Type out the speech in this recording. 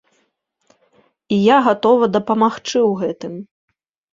І я гатова дапамагчы ў гэтым.